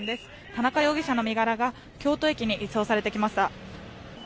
田中容疑者の身柄が京都駅に移送されてきました。